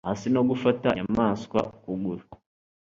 hasi no gufata inyamaswa ukuguru